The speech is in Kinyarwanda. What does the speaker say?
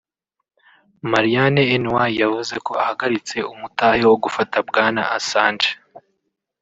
Marianne Ny yavuze ko ahagaritse umutahe wo gufata Bwana Assange